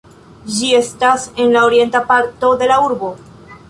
Ĝi estas en la orienta parto de la urbo.